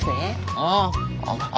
ああ。